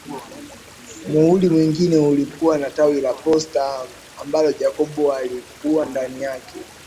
Muhuri mwingine ulikuwa wa tawi la posta ambalo Jacob alikuwa ndani yake